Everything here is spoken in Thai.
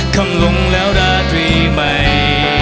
คำลงแล้วราตรีใหม่